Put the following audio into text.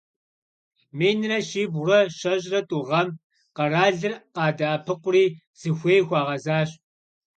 Минрэ щибгъурэ щэщӏрэ тӏу гъэм къэралыр къадэӏэпыкъури, зыхуей хуагъэзащ.